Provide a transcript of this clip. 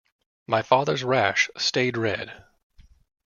My father's rash stayed red.